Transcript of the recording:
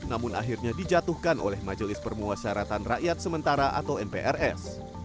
namun akhirnya dijatuhkan oleh majelis permuasaratan rakyat sementara atau mprs